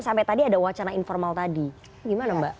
sampai tadi ada wacana informal tadi gimana mbak